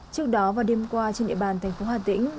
trước đó vào đêm qua trên địa bàn thành phố hà tĩnh